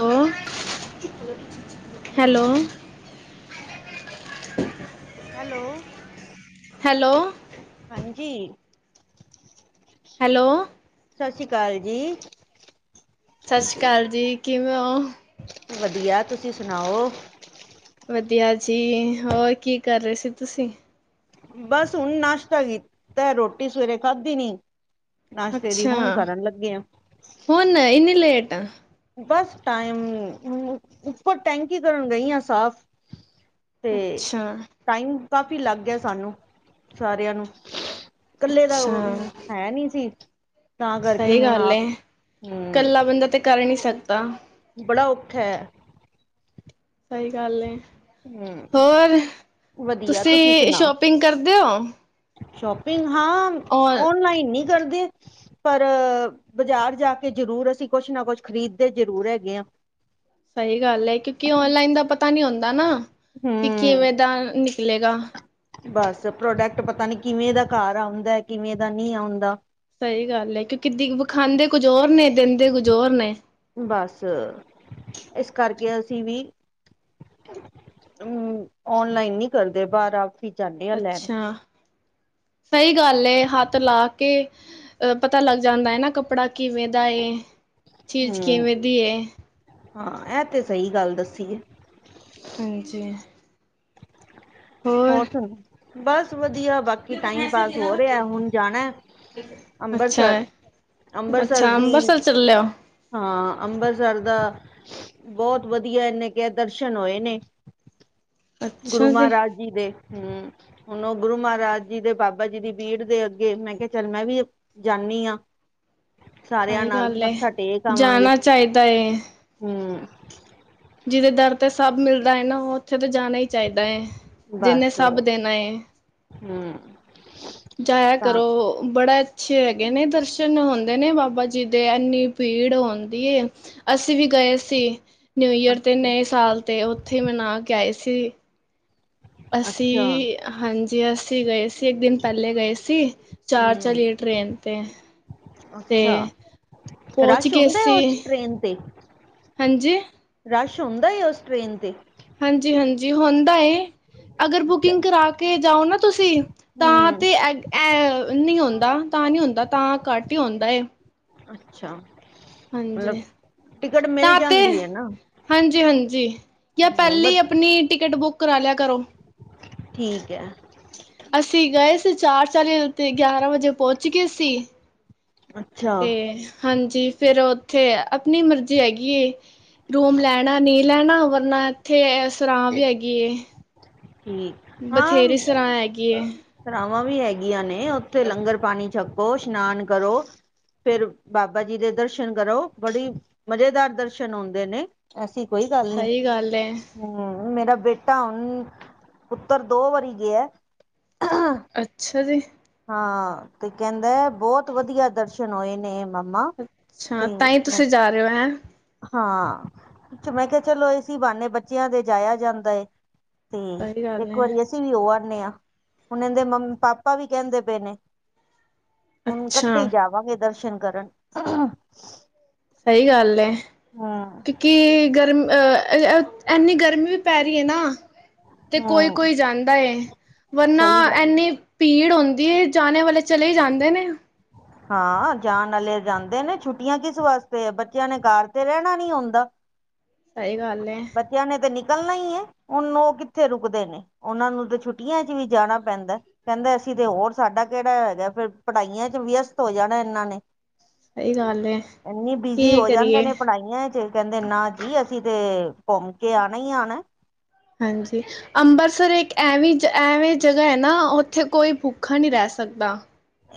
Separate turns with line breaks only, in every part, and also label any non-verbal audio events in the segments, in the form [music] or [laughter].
ਅ hello.
Hello
hello
ਹਾਂਜੀ
hello
ਸਤਿ ਸ਼੍ਰੀ ਅਕਾਲ ਜੀ।
ਸਤਿ ਸ਼੍ਰੀ ਅਕਾਲ ਜੀ ਕਿਵੇਂ ਹੋ।
ਵਧੀਆ ਤੁਸੀਂ ਸੁਣਾਓ।
ਵਧੀਆ ਜੀ ਹੋਰ ਕੀ ਕਰ ਰਹੇ ਸੀ ਤੁਸੀਂ।
ਬਸ ਹੁਣ ਨਾਸ਼ਤਾ ਕੀਤਾ ਰੋਟੀ ਸਵੇਰੇ ਖਾਧੀ ਨੀ। ਨਾਸ਼ਤੇ ਦੀ ਹੁਣ ਕਰਨ ਲੱਗੇ ਆਂ।
ਹੁਨ ਇਨੀ ਲੇਟ।
ਬਸ ਟਾਈਮ ਉ ਉੱਪਰ ਟੈਂਕੀ ਕਰਨ ਗਈ ਹਾਂ ਸਾਫ਼। ਤੇ
ਅੱਛਾ।
ਟਾਈਮ ਕਾਫੀ ਲੱਗ ਗਿਆ ਸਾਨੂੰ ਸਾਰਿਆਂ ਨੂੰ। ਇਕੱਲੇ ਦਾ
ਅੱਛਾ,
ਹੈ ਨੀ ਸੀ। ਤਾਂ ਕਰਕੇ
ਸਹੀ
ਹੁਣ
ਗੱਲ ਐ।
ਆਪ
ਕੱਲਾ
ਹਮ
ਬੰਦਾ ਤੇ ਕਰ ਨੀ ਸਕਦਾ।
ਬੜਾ ਔਖਾ ਐ।
ਸਹੀ ਗੱਲ ਹੈ।
ਹਮ
ਹੋਰ,
ਵਧੀਆ
ਤੁਸੀਂ
ਸੁਣਾਓ
ਸ਼ੋਪਿੰਗ ਕਰਦੇ ਹੋ?
ਸ਼ੋਪਿੰਗ ਹਾਂ,
ਔਰ
ਓਨਲਾਈਨ ਨੀ ਕਰਦੇ। ਪਰ ਬਾਜ਼ਾਰ ਜਾ ਕੇ ਜ਼ਰੂਰ ਅਸੀਂ ਕੁਛ ਨਾ ਕੁਛ ਖਰੀਦਦੇ ਜ਼ਰੂਰ ਹੈਗੇ ਹਾਂ।
ਸਹੀ ਗੱਲ ਹੈ ਕਿਉਂਕਿ ਔਨਲਾਈਨ ਦਾ ਪਤਾ ਨੀ ਹੁੰਦਾ ਨਾ ਕਿ
ਹਮ
ਕਿਵੇਂ ਦਾ ਨਿਕਲੇਗਾ।
ਬਸ ਪ੍ਰੋਡਕਟ ਪਤਾ ਨੀ ਕਿਵੇਂ ਦਾ ਘਰ ਆਉਂਦਾ ਕਿਵੇਂ ਦਾ ਨਹੀਂ ਆਉਂਦਾ।
ਸਹੀ ਗੱਲ ਹੈ ਕਿਉਂਕਿ ਵਿਖਾਂਦੇ ਕੁਝ ਹੋਰ ਨੇ ਦਿੰਖਾਂਦੇ ਕੁਝ ਹੋਰ ਨੇ।
ਬਸ ਇਸ ਕਰਕੇ ਅਸੀਂ ਵੀ ਹੂੰ ਔਨਲਾਈਨ ਨੀ ਕਰਦੇ ਬਾਹਰ। ਹੀ ਜਾਂਦੇ ਆ ਲੈਣ
ਅੱਛਾ ਸਹੀ ਗੱਲ ਹੱਥ ਲਾ ਕੇ ਅ ਪਤਾ ਲੱਗ ਜਾਂਦਾ ਹੈ ਨਾ ਕੱਪੜਾ ਕਿਵੇਂ ਦਾ ਇਹ
ਹਮ ਹਾਂ ਇਹ ਤੇ ਸਹੀ ਗੱਲ ਦੱਸੀ ਹੈ।
ਹਾਂਜੀ
ਹੋਰ ਸੁਣਾਓ ਬਸ ਵਧੀਆ। ਬਾਕੀ ਟਾਈਮ ਪਾਸ ਹੋ ਰਿਹਾ ਹੁਣ ਜਾਣਾ
ਅੱਛਾ
ਅੰਬਰਸਰ।
ਹੈ।
ਅੰਬਰਸਰ
ਅੱਛਾ
ਦੀ
ਅੰਬਰਸਰ ਚੱਲੇ ਹੋ
ਹਾਂ ਅੰਮ੍ਰਿਤਸਰ ਦਾ ਬਹੁਤ ਵਧੀਆ ਇਹਨੇ ਕਿਹਾ ਦਰਸ਼ਨ ਹੋਏ ਨੇ। ਗੁਰੂ ਮਹਾਰਾਜ ਜੀ ਦੇ ਹਮ। ਹੁਣ ਉਹ ਗੁਰੂ ਮਹਾਰਾਜ ਜੀ ਦੇ ਬਾਬਾ ਜੀ ਦੀ ਬੀੜ ਦੇ ਅੱਗੇ ਮੈਂ ਕਿਹਾ ਚੱਲ ਮੈਂ ਵੀ ਜਾਂਦੀ ਹਾਂ ਸਾਰਿਆਂ
ਸਹੀ
ਨਾਲ
ਗੱਲ ਏ
ਮੱਥਾ ਟੇਕ ਆਵਾਂਗੇ।
ਜਾਣਾ ਚਾਹੀਦਾ ਏ
ਹਮ।
ਜਿਹਦੇ ਡਰ ਤੇ ਸਭ ਮਿਲਦਾ ਹੈ, ਨਾ ਉਹ ਉੱਥੇ ਤਾਂ ਜਾਣਾ ਹੀ ਚਾਹੀਦਾ ਹੈ।
ਬਸ ਹ।
ਜਾਇਆ ਕਰੋ ਬੜਾ ਅੱਛੇ ਹੈਗੇ ਨੇ ਦਰਸ਼ਨ ਹੁੰਦੇ ਨੇ, ਬਾਬਾ ਜੀ ਦੇ ਇੰਨੀ ਭੀੜ ਹੁੰਦੀ। ਅਸੀਂ ਵੀ ਗਏ ਸੀ ਨਿਊ-ਈਅਰ ਤੇ
ਅੱਛਾ
ਨਏਂ ਸਾਲ ਤੇ ਉੱਥੇ ਮਨਾ ਕੇ ਆਏ ਸੀ।
ਅੱਛਾ
ਅਸੀਂ ਹਾਂਜੀ ਅਸੀਂ ਗਏ। ਅ ਇੱਕ ਦਿਨ ਪਹਿਲੇ ਗਏ ਸੀ ਚਾਰ
ਹੂੰ
ਚੱਲੀਏ ਟ੍ਰੇਨ ਤੇ। ਤੇ
ਅੱਛਾ
ਪਹੁੰਚ
ਰਸ਼
ਗਏ
ਹੁੰਦਾ
ਸੀ।
[inaudible]
ਹਾਂਜੀ।
ਰਸ਼ ਹੁੰਦਾ ਏ ਉਸ ਟ੍ਰੇਨ 'ਤੇ।
ਹਾਂਜੀ ਹਾਂਜੀ ਹੁੰਦਾ ਅਗਰ
ਅੱਛਾ
ਬੁਕਿੰਗ ਕਰਾ ਕੇ ਜਾਓ ਨਾ ਤੁਸੀਂ ਤਾਂ
ਹੂੰ
ਤੇ ਇਹ ਨਹੀਂ ਹੁੰਦਾ ਤਾਂ ਨਹੀਂ ਹੁੰਦਾ ਤਾਂ ਘੱਟ ਹੀ ਹੁੰਦਾ।
ਅੱਛਾ।
ਹਾਂਜੀ।
ਮਤਲਬ ਟਿਕਟ ਮਿਲ
ਤਾਂ ਤੇ
ਜਾਂਦੀ ਹੈ ਨਾ।
ਹਾਂਜੀ ਹਾਂਜੀ ਜਾਂ
ਹੂੰ
ਪਹਿਲਾਂ ਹੀ
ਬਸ
ਆਪਣੀ ਟਿਕਟ ਬੁੱਕ ਕਰਾ ਲਿਆ ਕਰੋ।
ਠੀਕ ਹੈ।
ਅਸੀਂ ਗਏ ਸੀ ਚਾਰ ਚਾਲੀ ਤੇ ਗਿਆਰਾਂ ਵਜੇ ਪਹੁੰਚ ਗਏ ਸੀ।
ਅੱਛਾ
ਤੇ ਹਾਂਜੀ ਫੇਰ ਉੱਥੇ ਆਪਣੀ ਮਰਜ਼ੀ ਹੈਗੀ ਰੂਮ ਲੈਣਾ ਨਹੀਂ ਲੈਣਾ ਵਰਨਾ ਇੱਥੇ ਸਰਾਂ ਵੀ ਹੈਗੀ।
ਠੀਕ। ਹਾਂ
ਬਥੇਰੀ ਸਰਾਂ ਹੈਗੀ।
ਸਰਾਵਾਂ ਵੀ ਹੈਗੀਆਂ ਨੇ ਉੱਥੇ ਲੰਗਰ ਪਾਣੀ ਛੱਕੋ ਇਸ਼ਨਾਨ ਕਰੋ। ਫੇਰ ਬਾਬਾ ਜੀ ਦੇ ਦਰਸ਼ਨ ਕਰੋ ਬੜੀ ਮਜ਼ੇਦਾਰ ਦਰਸ਼ਨ ਆਉਂਦੇ ਨੇ। ਐਸੀ ਕੋਈ ਗੱਲ ਨੀ।
ਸਹੀ ਗੱਲ ਏ
ਹਮ ਮੇਰਾ ਬੇਟਾ ਹੁਣ ਪੁੱਤਰ ਦੋ ਵਾਰੀ ਗਿਆ।
ਅੱਛਾ ਜੀ।
ਹਾਂ ਤੇ ਕਹਿੰਦਾ ਬਹੁਤ ਵਧੀਆ ਦਰਸ਼ਨ ਹੋਏ ਨੇ ਮੰਮਾ
ਅੱਛਾ
ਤੇ
ਤਾਂ ਹੀ
ਮੈਂ
ਤੁਸੀਂ ਜਾ ਰਹੇ ਹੋ ਹੈਂ
ਹਾਂ ਮੈਂ ਕਿਹਾ ਚਲੋ ਅਏ ਸੀ ਬਹਾਨੇ ਬੱਚਿਆਂ ਦੇ ਜਾਇਆ ਜਾਂਦਾ ਏ ਤੇ
ਸਹੀ ਗੱਲ
ਇੱਕ
ਏ
ਵਾਰੀ ਅਸੀਂ ਵੀ ਉਹ ਆਦੇ ਹਾਂ ਹੁਣ ਇਹਦੇ ਪਾਪਾ ਵੀ ਕਹਿੰਦੇ ਪਏ ਨੇ ਹੁਣ ਇਕੱਠੇ
ਅੱਛਾ
ਜਾਵਾਂਗੇ ਦਰਸ਼ਨ ਕਰਨ
ਸਹੀ ਗੱਲ
ਹੂੰ
ਕਿਉਂਕਿ ਗਰਮ ਅਹ ਇਨੀ ਗਰਮੀ ਵੀ ਪੈ ਰਹੀ ਹੈ ਨਾ ਤੇ ਕੋਈ
ਹੂੰ
ਕੋਈ ਜਾਂਦਾ ਏ ਵਰਨਾ
ਸਹੀ ਗੱਲ
ਐਨੀ, ਭੀੜ ਹੁੰਦੀ ਏ ਜਾਣੇ ਵਾਲੇ ਚਲੇ ਜਾਂਦੇ ਨੇ।
ਹਾਂ ਜਾਣ ਵਾਲੇ ਜਾਂਦੇ ਨੇ ਛੁੱਟੀਆਂ ਕਿਸ ਵਾਸਤੇ ਆ ਬੱਚਿਆਂ ਨੇ ਘਰ ਤੇ ਰਹਿਣਾ ਨੀ ਆਉਂਦਾ
ਸਹੀ ਗੱਲ ਏ,
ਬੱਚਿਆਂ ਨੇ ਤੇ ਨਿਕਲਣਾ ਹੀ ਹੈ ਹੁਣ ਉਹ ਕਿੱਥੇ ਰੁਕਦੇ ਨੇ। ਉਹਨਾਂ ਨੂੰ ਤਾਂ ਛੁੱਟੀਆਂ ਚ ਵੀ ਜਾਣਾ ਪੈਂਦਾ। ਕਹਿੰਦੇ ਅਸੀਂ ਤੇ ਹੋਰ ਸਾਡਾ ਕਿਹੜਾ ਹੈਗਾ ਫਿਰ ਪੜ੍ਹਾਈਆਂ ਚ ਵਿਅਸਤ ਹੋ ਜਾਣਾ ਇਹਨਾਂ ਨੇ।
ਸਈ ਗੱਲ ਏ
ਇਨੀ ਬਿਜੀ
ਕੀ
ਹੋ ਜਾਂਦੇ
ਕਰੀਏ
ਨੇ ਪੜ੍ਹਾਈਆਂ ਚ। ਕਹਿੰਦੇ ਨਾ ਜੀ ਅਸੀਂ ਤੇ ਘੁੰਮ ਕੇ ਆਉਣਾ ਹੀ ਆਉਣਾ।
ਹਾਂਜੀ ਅੰਬ੍ਰਿਤਸਰ ਇੱਕ ਐਵੇਂ ਜ ਐਵੇਂ ਜਗ੍ਹਾ ਹੈ ਨਾ ਇੱਥੇ ਕੋਈ ਭੁੱਖਾ ਨੀ ਰਹਿ ਸਕਦਾ।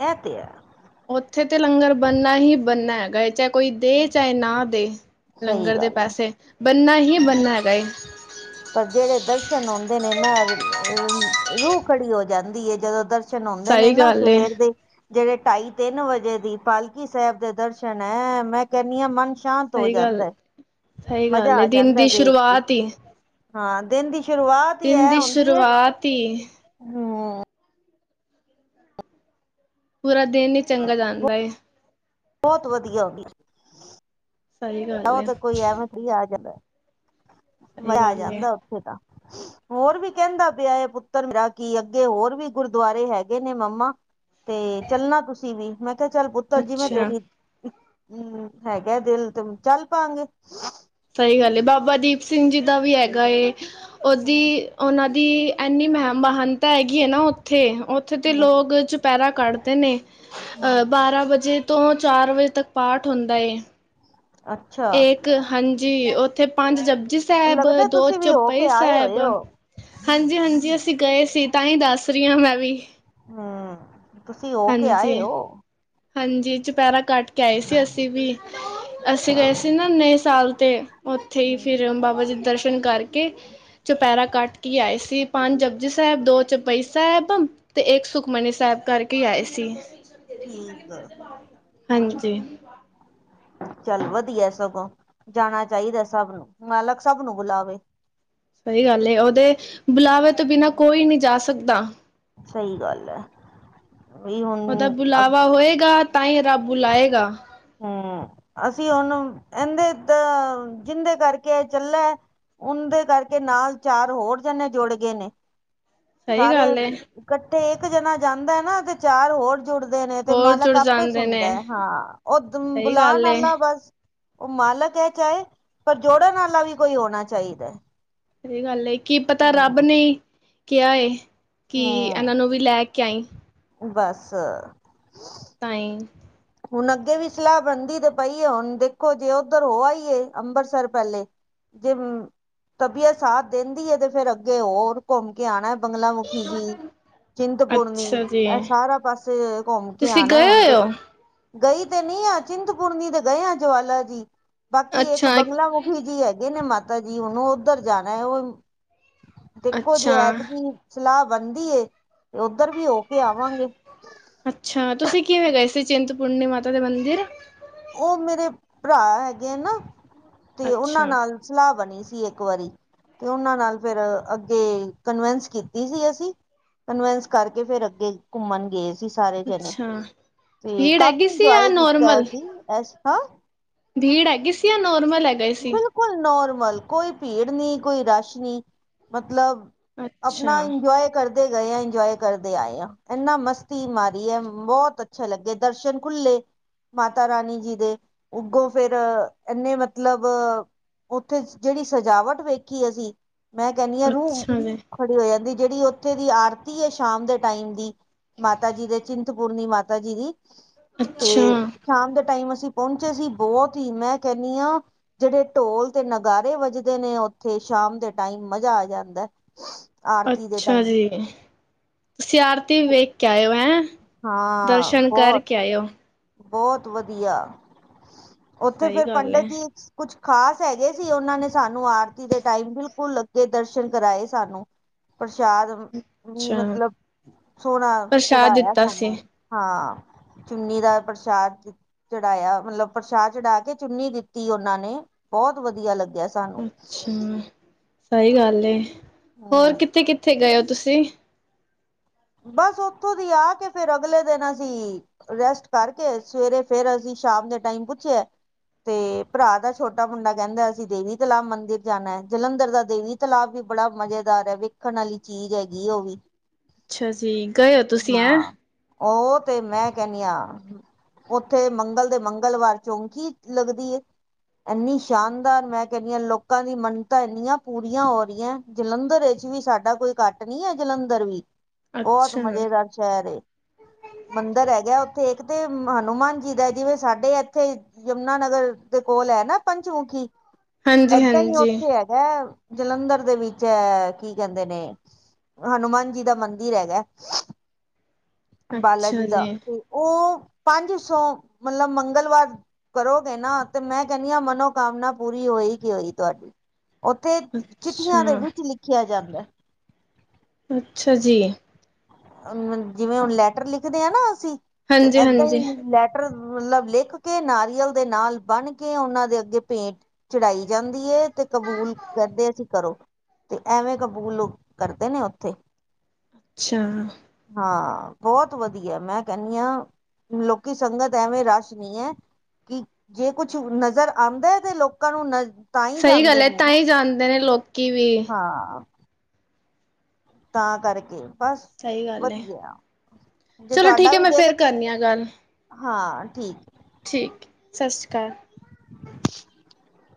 ਐਹ ਤੇ ਹੈ।
ਉੱਥੇ ਤੇ ਲੰਗਰ ਬਣਨਾ ਹੀ ਬਣਨਾ ਹੈਗਾ ਏ ਚਾਹੇ, ਕੋਈ ਦੇ ਚਾਹੇ ਨਾ ਦੇ
ਸਹੀ
ਲੰਗਰ ਦੇ
ਗੱਲ
ਪੈਸੇ ਬਣਨਾ ਹੀ
ਹੈ
ਬਣਨਾ ਹੈਗਾ ਵੇ।
ਪਰ ਜੇੜੇ ਦਰਸ਼ਨ ਹੋਂਦੇ ਨੇ ਨਾ ਰੂਹ ਖੜੀ ਹੋ ਜਾਂਦੀ ਹੈ ਜਦੋਂ ਦਰ
ਸਈ ਗੱਲ ਏ।
[unintelligible] ਜੇੜੇ ਢਾਈ ਤਿੰਨ ਵਜੇ ਦੀ ਪਾਲਕੀ ਸਾਹਿਬ ਦੇ ਦਰਸ਼ਨ ਹੈ ਮੈਂ ਕਹਿੰਨੀ ਆ ਮਨ ਸ਼ਾਂਤ ਹੋ ਜਾਂਦਾ ਹੈ।
ਸਹੀ
ਮਜ਼ਾ
ਗੱਲ ਏ
ਆ
ਦਿਨ
ਜਾਂਦਾ
ਦੀ
ਵੇਖ ਕੇ
ਸ਼ੁਰੂਆਤ ਈ,
ਹਾਂ ਦਿਨ ਦੀ ਸ਼ੁਰੂਆਤ ਹੀ
ਦਿਨ
ਇਹ
ਦੀ
ਹੁੰਦੀ ਹੈ
ਸ਼ੁਰੂਆਤ ਈ,
ਹਮ
ਪੂਰਾ ਦਿਨ ਈ ਚੰਗਾ ਜਾਂਦਾ ਏ।
ਬਹੁਤ ਵਧੀਆ ਹੋ ਗਈ।
ਸਹੀ ਗੱਲ
ਉਹ
ਏ
ਤੇ ਕੋਈ ਐਵੇਂ [unintelligible] ਆ ਜਾਂਦਾ
ਸਹੀ
ਮਜ਼ਾ ਆ
ਗੱਲ ਏ
ਜਾਂਦਾ ਓਥੇ ਤਾਂ। ਹੋਰ ਵੀ ਕਹਿੰਦਾ ਪਿਆ ਏ ਪੁੱਤਰ ਮੇਰਾ ਕੀ ਅੱਗੇ ਹੋਰ ਵੀ ਗੁਰਦੁਆਰੇ ਹੈਗੇ ਨੇ ਮੰਮਾ। ਤੇ ਚੱਲਣਾ ਤੁਸੀਂ ਵੀ ਮੈਂ ਮੈਂ ਕਹਯਾ ਚੱਲ ਪੁੱਤਰ ਜੀਵੇੈਂ
ਅੱਛਾ
ਤੇਰੀ ਹਮ ਹੈਗਾ ਦਿਲ ਤੇ ਚੱਲ ਪਾਂਗੇ।
ਸਹੀ ਗੱਲ ਏ ਬਾਬਾ ਦੀਪ ਸਿੰਘ ਜੀ ਦਾ ਵੀ ਹੈਗਾ ਏ ਉਹਦੀ,
ਹੂੰ
ਉਹਨਾਂ ਦੀ ਐਨੀ ਮਹ ਮਹਾਨਤਾ ਹੈਗੀ ਏ ਨਾ ਉੱਥੇ ਉੱਥੇ ਦੇ
ਹੂੰ
ਲੋਗ ਚੁਪਹਿਰਾ ਪੈਰਾਂ ਕੱਢਦੇ ਨੇ
ਹੂੰ,
ਬਾਰ੍ਹਾਂ ਵਜੇ ਤੋਂ ਚਾਰ ਵਜੇ ਤੱਕ ਪਾਠ ਹੁੰਦਾ ਏ।
ਅੱਛਾ।
ਇੱਕ ਹਾਂਜੀ ਉੱਥੇ ਪੰਜ ਜਪਜੀ ਸਾਹਿਬ
ਲੱਗਦਾ
ਦੋ
ਤੁਸੀਂ ਵੀ ਹੋ ਕੇ
ਚੌਪਈ
ਆਏ
ਸਾਹਿਬ।
ਹੋਏ ਹੋ।
ਹਾਂਜੀ ਹਾਂਜੀ ਅਸੀਂ ਗਏ ਸੀ ਤਾਂ ਹੀ ਦੱਸ ਰਹੀ ਆਂ ਮੈਂ ਵੀ।
ਹਮ ਤੁਸੀਂ ਹੋ ਕੇ
ਹਾਂਜੀ
ਆਏ ਔ?
ਹਾਂਜੀ ਚੁਪਹਿਰਾ ਕੱਟ ਕੇ ਆਏ ਸੀ ਅਸੀਂ ਵੀ ਅਸੀਂ
ਅੱਛਾ।
ਗਏ ਸੀ ਨਾ ਨਏ ਸਾਲ ਤੇ। ਉੱਥੇ ਹੀ ਫਿਰ
ਹੂੰ
ਬਾਬਾ ਜੀ ਦੇ ਦਰਸ਼ਨ ਕਰਕੇ ਚੁਪਹਿਰਾ ਕੱਟ ਕੇ ਆਏ ਸੀ ਪੰਜ ਜਬਜੀ ਸਾਹਿਬ ਦੋ ਚਪਈ ਸਾਹਿਬ ਤੇ ਇੱਕ ਸੁਖਮਨੀ ਸਾਹਿਬ ਕਰਕੇ ਕੇ ਆਏ ਸੀ।
ਠੀਕ।
ਹਾਂਜੀ [unintelligible]
ਚੱਲ ਵਧੀਆ ਸਗੋਂ ਜਾਣਾ ਚਾਹੀਦਾ ਸਭ ਨੂੰ ਮਾਲਕ ਸਭ ਨੂੰ ਬੁਲਾਵੇ।
ਸਹੀ ਗੱਲ ਏ ਉਹਦੇ ਬੁਲਾਵੇ ਤੋਂ ਬਿਨਾਂ ਕੋਈ ਨੀ ਜਾ ਸਕਦਾ।
ਸਹੀ ਗੱਲ ਹੈ। ਵੀ ਹੁਣ
ਉਹਦਾ ਬੁਲਾਵਾ ਹੋਏਗਾ ਤਾਂ ਹੀ ਰੱਬ ਬੁਲਾਏਗਾ।
ਹਮ ਅਸੀਂ ਹੁਣ ਅਹਦੇ ਤਾਂ ਜਿੰਦੇ ਕਰਕੇ ਇਹ ਚੱਲਾ, ਉਨੰਦੇ ਕਰਕੇ ਨਾਲ ਚਾਰ ਹੋਰ ਜਣੇ ਜੁੜ ਗੇ ਨੇ।
ਸਹੀ
ਸਾਰੇ
ਗੱਲ ਏ
ਇਕੱਠੇ ਇੱਕ ਜਣਾ ਜਾਂਦਾ ਹੈ ਨਾ ਤੇ ਚਾਰ ਹੋਰ, ਜੁੜਦੇ ਨੇ ਤੇ
ਹੋਰ
ਮਾਲਕ
ਜੁੜ
ਆਪੇ
ਜਾਂਦੇ
ਸੁਣਦਾ
ਨੇ
ਹੈ ਹਾਂ ਉਹ
ਸਹੀ
ਬੁਲਾਣ
ਗੱਲ ਏ
ਆਲਾ ਬਸ ਉਹ ਮਾਲਕ ਹੈ ਚਾਹੇ ਪਰ ਜੋੜਨ ਵਾਲਾ ਵੀ ਕੋਈ ਹੋਣਾ ਚਾਹੀਦਾ।
ਸਹੀ ਗੱਲ ਏ ਕੀ ਪਤਾ ਰੱਬ ਨੇ ਕਿਆ ਏ ਕਿ ਇਹਨਾਂ
ਹਮ
ਨੂੰ ਵੀ ਲੈ ਕੈਂਅਈ
ਬਸ
ਤਾਂਹੀ
ਹੁਣ ਅੱਗੇ ਵੀ ਸਲਾਹ ਬਣਦੀ ਤੇ ਪਈ ਐ ਹੁਣ ਦੇਖੋ ਜੇ ਉਧਰ ਹੋ ਆਈਏ ਅੰਬਰਸਰ ਪੈਲੇ ਜੇ ਤਬੀਅਤ ਸਾਥ ਦਿੰਦੀ ਹੈ ਤੇ ਫੇਰ ਅੱਗੇ ਹੋਰ ਘੁੰਮ ਕੇ ਆਣਾ। ਬੰਗਲਾ ਮੁਖੀ ਜੀ। ਚਿੰਤਪੂਰਨੀ
ਅੱਛਾ ਜੀ,
ਇਹ ਸਾਰਾ ਪਾਸੇ ਘੁੰਮ ਕੇ
ਤੁਸੀਂ
ਆਣਾ
ਗਏ
ਹੁਣ
ਹੋਏ
ਤੇ
ਹੋ?
ਗਈ ਤੇ ਨੀ ਆ ਚਿੰਤਪੂਰਨੀ ਤੇ ਗਏ ਆ ਜਵਾਲਾ ਜੀ ਬਾਕੀ ਇੱਕ
ਅੱਛਾ,
ਬੰਗਲਾ ਬਿਜੀ ਹੈਗੇ ਨੇ ਮਾਤਾ ਜੀ ਹੁਣ ਉਧਰ ਜਾਣਾ ਹੈ ਓ ਦੇਖੋ ਜੇ
ਅੱਛਾ।
ਐਤਕੀ ਸਲਾਹ ਬਣਦੀ ਏ ਉਧਰ ਵੀ ਹੋ ਕੇ ਆਵਾਂਗੇ।
ਅੱਛਾ ਤੁਸੀਂ ਕਿਵੇਂ ਗਏ ਸੀ ਚਿੰਤਪੂਰਨੀ ਮਾਤਾ ਦੇ ਮੰਦਿਰ
ਉਹ ਮੇਰੇ ਭਰਾ ਹੈਗੇ ਨਾ ਤੇ ਉਹਨਾਂ
ਅੱਛਾ।
ਨਾਲ ਸਲਾਹ ਬਣੀ ਸੀ ਇੱਕ ਵਰੀ ਤੇ ਉਹਨਾਂ ਨਾਲ ਫਿਰ ਅੱਗੇ ਕਨਵਿੰਸ ਕੀਤੀ ਸੀ ਅਸੀ ਕਨਵਿੰਸ ਕਰਕੇ ਫਿਰ ਅੱਗੇ ਘੁੰਮਣ ਗਏ ਸੀ। ਸਾਰੇ ਜਣੇ
ਅੱਛਾ,
ਤੇ
ਭੀੜ
ਕਾਫ਼ੀ
ਹੈਗੀ ਸੀ ਜਾਂ
ਇੰਜੋਏ ਕੀਤਾ
ਨੋਰਮਲ?
ਅਸੀਂ ਇਸ, ਹਾਂ!
ਭੀੜ ਹੇਗੀ ਸੀ ਜਾਂ ਨਾਰਮਲ ਹੇਗਾ ਈ ਸੀ?
ਬਿਲਕੁਲ ਨਾਰਮਲ, ਕੋਈ ਭੀੜ ਨਈਂ, ਕੋਈ ਰਸ਼ ਨਈਂ ਮਤਲਬ ਆਪਣਾ
ਅੱਛਾ,
ਇੰਜੋਏ ਕਰਦੇ ਗਏ ਆਂ, ਇੰਜੋਏ ਕਰਦੇ ਆਏ ਆਂ। ਇੰਨਾਂ ਮਸਤੀ ਮਾਰੀ ਏ, ਬਹੁਤ ਚਲ ਅੱਗੇ ਦਰਸ਼ਨ ਖੁੱਲੇ ਮਾਤਾ ਰਾਣੀ ਜੀ ਦੇ ਉੱਗੋ ਫੇਰ ਏਨੇ ਵ, ਮਤਲਬ ਉੱਥੇ ਜਿਹੜੀ ਸਜਾਵਟ ਵੇਖੀ ਅਸੀਂ ਮੈਂ ਕਹਿਣੀ ਆਂ ਰੂਹ,
ਅੱਛਾ ਜੀ,
ਖੜੀ ਹੋ ਜਾਂਦੀ ਐ ਜਿਹੜੀ ਉੱਥੇ ਦੀ ਆਰਤੀ ਏ ਸ਼ਾਮ ਦੇ ਟਾਈਮ ਦੀ। ਮਾਤਾ ਜੀ ਦੇ ਚਿੰਤਪੂਰਨੀ ਮਾਤਾ ਜੀ ਦੀ। ਤੇ
ਅੱਛਾ।
ਸ਼ਾਮ ਦੇ ਟਾਈਮ ਅਸੀਂ ਪਹੁੰਚੇ ਸੀ, ਬਹੁਤ ਹੀ, ਮੈਂ ਕਹਿੰਨੀ ਹਾਂ। ਜਿਹੜੇ ਢੋਲ ਤੇ ਨਗਾਰੇ ਵੱਜਦੇ ਨੇ, ਉੱਥੇ ਸ਼ਾਮ ਦੇ ਟਾਈਮ ਮਜ਼ਾ ਆ ਜਾਂਦਾ ਹੈ।
ਅੱਛਾ ਜੀ, ਤੁਸੀ ਆਰਤੀ ਵੇਖ ਕੇ ਆਏ ਓ ਹੈਂ। ਦਰਸ਼ਨ ਕਾਰਕੇ ਆਏ ਓ।
ਬੋਤ ਵਦੀਆ, ਓਥੇ
ਸਹੀ
ਫੇਰ
ਗੱਲ
ਪੰਡਤ
ਹੈ।
ਜੀ। ਕੁਝ ਖ਼ਾਸ ਹੈਗੇ ਸੀ। ਉਹਨਾਂ ਨੇ ਸਾਨੂੰ ਆਰਤੀ ਦੇ ਟਾਈਮ ਬਿਲਕੁਲ ਨੇੜੇ ਤੋਂ ਦਰਸ਼ਨ ਕਰਵਾਏ। ਪ੍ਰਸ਼ਾਦ ਵੀ
ਅੱਛਾ,
ਮਤਲਬ ਸੋਹਣਾ
ਪ੍ਰਸ਼ਾਦ
ਚੜ੍ਹਾਇਆ
ਦਿੱਤਾ ਸੀ,
ਸਾਨੂੰ ਹਾਂ, ਚੁੰਨੀ ਦਾ ਪ੍ਰਸ਼ਾਦ ਚੜ੍ਹਾਇਆ ਮਤਲਬ ਪ੍ਰਸ਼ਾਦ ਚੜ੍ਹਾ ਕੇ ਚੁੰਨੀ ਦਿੱਤੀ ਉਹਨਾਂ ਨੇ, ਬਹੁਤ ਵਧੀਆ ਲੱਗਿਆ। ਸਾਨੂੰ
ਅੱਛਾ। ਸਹੀ ਗੱਲ ਹੈ। ਹੋਰ
ਹੂੰ
ਕਿੱਥੇ-ਕਿੱਥੇ ਗਏ ਹੋ ਤੁਸੀਂ?
ਬਸ ਉੱਥੋਂ ਦੀ ਆ ਕੇ ਫੇਰ ਅਗਲੇ ਦਿਨ ਅਸੀਂ ਰੈਸਟ ਕਰਕੇ। ਸਵੇਰੇ ਫੇਰ ਅਸੀਂ ਸ਼ਾਮ ਦੇ ਟਾਈਮ ਪੁੱਛਿਆ। ਤੇ ਭਰਾ ਦਾ ਛੋਟਾ ਮੁੰਡਾ ਕਹਿੰਦਾ ਹੈ। ਅਸੀਂ ਦੇਵੀ ਤਲਾਬ ਮੰਦਿਰ ਜਾਣਾ ਹੈ। ਜਲੰਧਰ ਦਾ ਤਲਾਬ ਵੀ ਬੜਾ ਮਜ਼ੇਦਾਰ ਐ, ਵੇਖਣ ਵਾਲੀ ਚੀਜ਼ ਹੈਗੀ ਉਹ ਵੀ
ਅੱਛਾ ਜੀ। ਗਏ ਹੋ ਤੁਸੀਂ ਹੈਂ।
ਹਾਂ, ਉਹ ਤੇ ਮੈਂ ਕਹਿਣੀ ਆਂ ਉੱਥੇ ਮੰਗਲ ਦੇ ਮੰਗਲਵਾਰ ਚੌਂਕੀ ਈ ਲੱਗਦੀ ਐ। ਇੰਨੀ ਸ਼ਾਨਦਾਰ ਮੈਂ ਕਹਿਦੀ ਆ ਲੋਕਾਂ ਦੀ ਮੰਨਤਾਂ ਇੰਨੀਆਂ ਪੂਰੀਆਂ ਹੋ ਰਹੀਆਂ ਜਲੰਧਰ ਇੱਚ ਵੀ ਸਾਡਾ ਕੋਈ ਕੱਟ ਨਈਂ ਐ ਜਲੰਧਰ ਵੀ ਬਹੁਤ
ਅੱਛਾ
ਮਜ਼ੇਦਾਰ ਸ਼ਹਿਰ ਏ। ਮੰਦਿਰ ਹੈਗਾ ਉਥੇ ਇਕ ਤੇ ਹਨੂੰਮਾਨ ਜੀ ਦਾ ਜਿਵੇ ਸਾਡੇ ਇਥੇ ਯਮੁਨਾਾਨਗਰ ਦੇ ਕੋਲ ਹੈ ਨਾ ਪੰਚਮੁਖੀ ਏਦਾਂ ਹੀ
ਹਾਂਜੀ-ਹਾਂਜੀ
ਉਥੇ ਹੈ। ਹੈ ਜਲੰਧਰ ਦੇ ਵਿਚ ਕੀ ਕਹਿਦੇ ਨੇ ਹਨੂੰਮਾਨ ਜੀ ਦਾ ਮੰਦਿਰ ਦਿਰ ਹੈਗਾ। ਬਾਲਾ ਜੀ ਦਾ ਤੇ ਉਹ ਪੰਜ ਸੋ ਮਤਲਬ ਮੰਗਲਵਾਰ ਕਰੋਗੇ ਨਾ ਤੇ ਮੈਂ ਕਹਿਨੀ ਆ ਮਨੋਕਾਮਨਾ ਪੂਰੀ ਹੋਏਗੀ ਹੋਏਗੀ ਤੁਵਾਡੀ। ਉਥੇ ਚਿੱਠੀਆਂ ਦੇ
ਅੱਛਾ,
ਵਿਚ ਲਿਖਿਆ ਜਾਦਾ ਹੈ।
ਅੱਛਾ ਜੀ
ਜਿਵੇ ਹੁਣ ਲੈਟਰ ਲਿਖਦੇ ਆਂ ਨਾ ਅਸੀ ਤੇ ਏਦਾਂ ਹੀ
ਹਾਂਜੀ-ਹਾਂਜੀ
ਲੈਟਰ ਮਤਲਬ ਲਿਖ ਕੇ ਨਾਰੀਅਲ ਦੇ ਨਾਲ ਬਣ ਕੇ ਉਹਨਾਂ ਦੇ ਅਗੇ ਭੇਟ ਚੜਾਈ ਜਾਂਦੀ ਐ ਤੇ ਕਬੂਲ ਕਹਿੰਦੇ ਅਸੀ ਕਰੋ। ਤੇ ਐਵੇਂ ਕਬੂਲ ਕਰਦੇ ਨੇ ਉੱਥੇ
ਅੱਛਾ
ਹਾਂ ਬਹੁਤ ਵਧੀਆ ਮੈਂ ਕਹਿੰਦੀ ਹਾਂ ਲੋਕੀ ਸੰਗਤ ਐਵੇ ਰਸ਼ ਨਹੀ ਹੈ। ਜੇ ਕੁਛ ਨਜ਼ਰ ਆਉਦਾ ਹੈ। ਤੇ ਲੋਕਾਂ ਨੂੰ ਨ ਤਾਂ ਹੀ
ਸਹੀ ਗੱਲ
ਜਾਂਦੇ
ਏ
ਨੇ
ਤਾਂ
ਨਾ
ਹੀ ਜਾਣਦੇ ਨੇ ਲੋਕੀ ਵੀ
ਹਾਂ- ਤਾਂ ਕਰਕੇ ਬਸ
ਸਹੀ ਗੱਲ ਹੈ
ਵਧੀਆ ਜੇ
ਚਲੋ ਠੀਕ
ਤੁਹਾਡਾ
ਹੈ
ਵੀ
ਮੈਂ
ਦਿਲ
ਫੇਰ ਕਰਨੀ ਆ ਗੱਲ
ਹਾਂ ਠੀਕ ਹੈ।
ਠੀਕ ਹੈ ਸਤਿ ਸ਼੍ਰੀ ਅਕਾਲ
[inaudible]